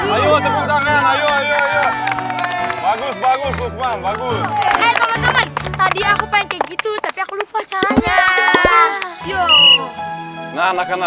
ayo tepuk tangan ayo bagus bagus tadi aku pengen gitu tapi aku lupa caranya